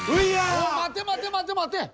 お待て待て待て待て！